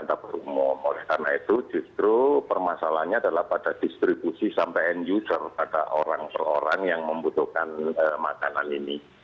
karena itu justru permasalahannya adalah pada distribusi sampai end user pada orang orang yang membutuhkan makanan ini